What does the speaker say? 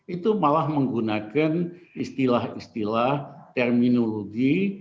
itu malah menggunakan istilah istilah terminologi